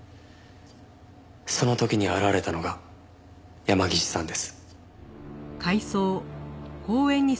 その時に現れたのが山岸さんです。